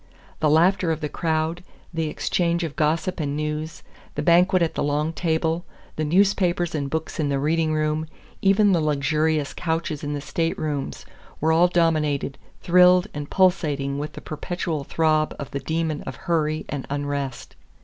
The laughter of the crowd, the exchange of gossip and news, the banquet at the long table, the newspapers and books in the reading room, even the luxurious couches in the staterooms, were all dominated, thrilled, and pulsating with the perpetual throb of the demon of hurry and unrest.